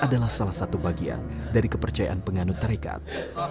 adalah salah satu bagian dari kepercayaan penganut tarekat